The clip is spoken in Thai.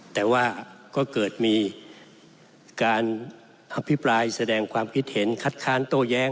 แต่ว่าก็เกิดมีการอภิปรายแสดงความคิดเห็นคัดค้านโต้แย้ง